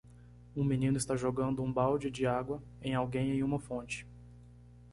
Um menino está jogando um balde de água em alguém em uma fonte.